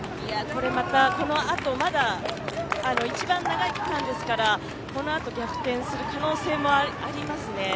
このあと、まだ一番長い区間ですからこのあと逆転する可能性もありますね。